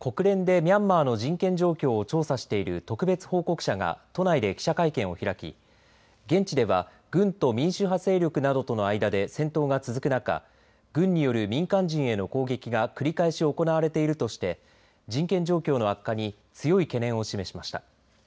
国連でミャンマーの人権状況を調査している特別報告者が都内で記者会見を開き現地では軍と民主派勢力などとの間で戦闘が続く中軍による民間人への攻撃が繰り返し行われているとして人権状況の悪化に強い懸念を示しました。